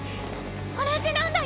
同じなんだよ。